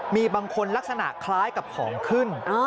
มีบางคนลักษณะคล้ายกับของขึ้น